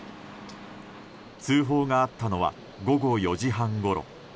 通報があったのは午後４時半ごろ。